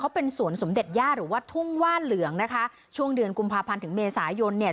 เป็นสวนสมเด็จย่าหรือว่าทุ่งว่านเหลืองนะคะช่วงเดือนกุมภาพันธ์ถึงเมษายนเนี่ย